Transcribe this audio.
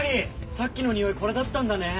さっきのにおいこれだったんだね。